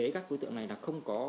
các đối tượng này không có